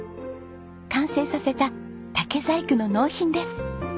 完成させた竹細工の納品です。